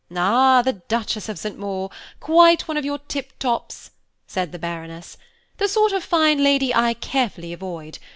"Ah, the Duchess of St. Maur. Quite one of your tip tops," said the Baroness; "the sort of fine lady I carefully avoid.